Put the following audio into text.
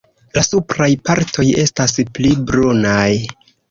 La supraj partoj estas pli brunaj.